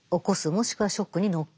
もしくはショックに乗っかる。